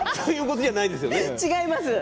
違います。